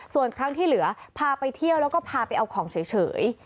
ส่วนครั้งที่เหลือพาไปเที่ยวแล้วก็พาไปเอาของเฉย